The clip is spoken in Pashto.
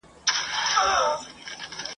سره جمع کړي ټوټې سره پیوند کړي !.